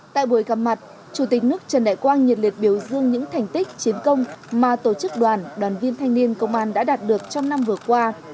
tại buổi gặp mặt chủ tịch nước trần đại quang nhiệt liệt biểu dương những thành tích chiến công mà tổ chức đoàn đoàn viên thanh niên công an đã đạt được trong năm vừa qua